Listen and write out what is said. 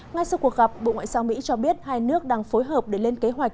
ngay sau cuộc gặp bộ ngoại giao mỹ cho biết hai nước đang phối hợp để lên kế hoạch